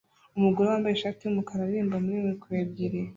Umugore wambaye ishati yumukara aririmba muri mikoro ebyiri